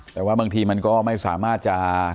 แต่ว่าบางทีมันก็ไม่สามารถจะ